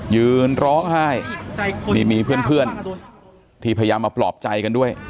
ยืนร้องไห้นี่มีเพื่อนที่พยายามมาปลอบใจกันด้วย